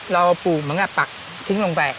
เราปลูกเหมือนกับปักทิ้งลงไป